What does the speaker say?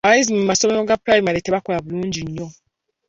Abayizi mu masomero ga pulayimale tebakola bulungi nnyo.